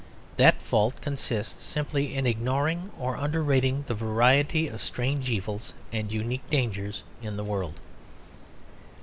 That fault consists simply in ignoring or underrating the variety of strange evils and unique dangers in the world.